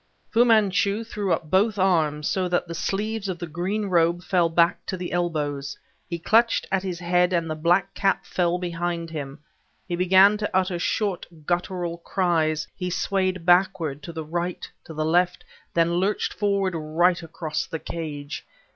Fu Manchu threw up both arms, so that the sleeves of the green robe fell back to the elbows. He clutched at his head, and the black cap fell behind him. He began to utter short, guttural cries; he swayed backward to the right to the left then lurched forward right across the cage.